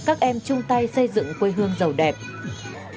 các em chung tay xây dựng quân đội các em chung tay xây dựng quân đội